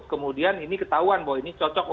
kemudian ini ketahuan bahwa ini cocok